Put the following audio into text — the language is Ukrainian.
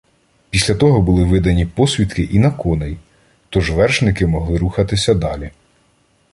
Після того були видані посвідки «і на коней», тож вершники могли рухатися далі.